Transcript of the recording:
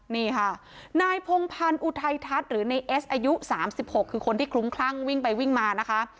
นี่ค่ะนายพงพันธุ์ในเอสอายุ๓๖คือคนที่คลุ้มคลั่งวิ่งไปวิ่งมานะคะ